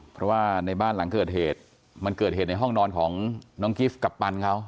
เพราะว่าในบ้านหลังเกิดเหตุมันเกิดเหตุในห้องนอนของน้องกิฟต์กัปตันเขา